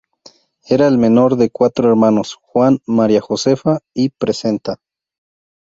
Era el menor de cuatro hermanos: Juan, María Josefa y Presenta.